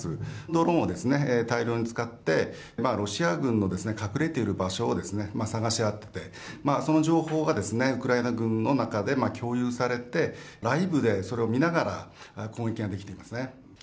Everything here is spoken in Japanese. ドローンを大量に使って、ロシア軍の隠れている場所を探し当てて、その情報がウクライナ軍の中で共有されて、ライブでそれを見ながら、攻撃ができていますね。